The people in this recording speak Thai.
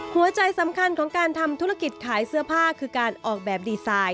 หัวใจสำคัญของการทำธุรกิจขายเสื้อผ้าคือการออกแบบดีไซน์